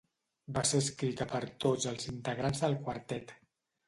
Va ser escrita per tots els integrants del quartet.